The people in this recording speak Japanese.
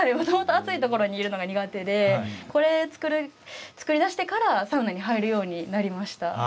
暑いところにいるのが苦手でこれを作り出してからサウナに入るようになりました。